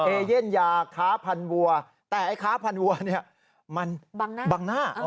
เอเย่นยาค้าพันวัวแต่ไอ้ค้าพันวัวเนี่ยมันบังหน้า